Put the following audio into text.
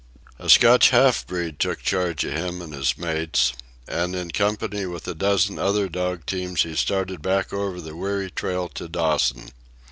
A Scotch half breed took charge of him and his mates, and in company with a dozen other dog teams he started back over the weary trail to Dawson.